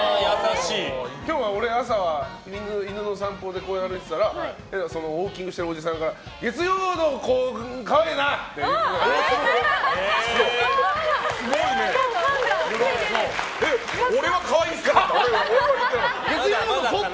今日は、俺、朝、犬の散歩で公園を歩いてたらウォーキングしてるおじさんから月曜日の子、可愛いな！って言われて。